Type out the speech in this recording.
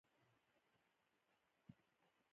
ازادي راډیو د طبیعي پېښې په اړه د حکومت اقدامات تشریح کړي.